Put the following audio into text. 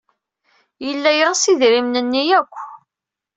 Yella yeɣs idrimen-nni akk.